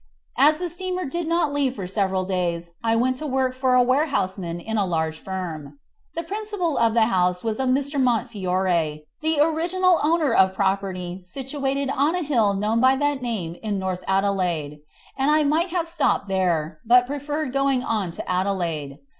As the steamer did not leave for several days, I went to work for a warehouseman in a large firm. The principal of the house was a Mr. Montefiore, the original owner of property situated on a hill known by that name in North Adelaide; and I might have stopped there, but preferred going on to Adelaide.